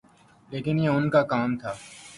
لیکن یہ ان کا کام تھا۔